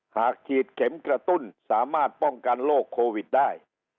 หากฉีดเข็มกระตุ้นสามารถป้องกันโรคโควิดได้